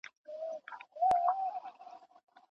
رسول الله د ام هاني د پناه په اړه څه وفرمایل؟